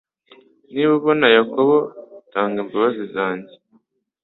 Niba ubona Yakobo, tanga imbabazi zanjye